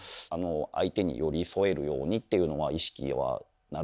相手に寄り添えるようにっていうのは意識はなるべくしてます。